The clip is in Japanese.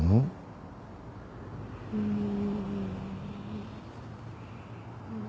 うん。